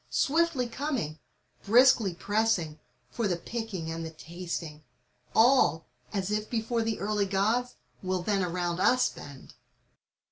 Swiftly coming, briskly pressing, for the picking and the tasting: All, as if before the early Gk>ds, will then around us bend.